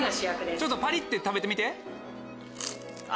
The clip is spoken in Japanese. ちょっとパリって食べてみて。